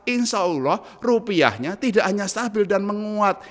insya allah rupiahnya tidak hanya stabil dan menguat